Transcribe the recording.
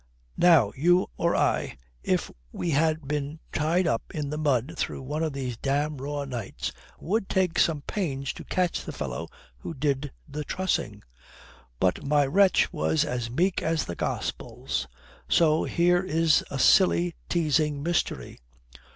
Now, you or I, if we had been tied up in the mud through one of these damned raw nights, would take some pains to catch the fellow who did the trussing. But my wretch was as meek as the Gospels. So here is a silly, teasing mystery.